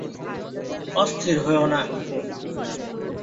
অস্থির হয়ো না।